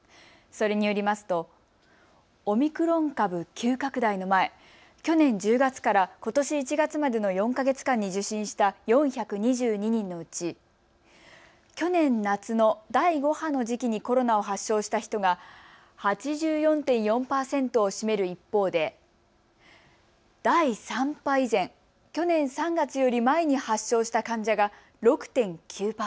それによりますとオミクロン株急拡大の前、去年１０月からことし１月までの４か月間に受診した４２２人のうち去年夏の第５波の時期にコロナを発症した人が８４．４％を占める一方で第３波以前、去年３月より前に発症した患者が６．９％。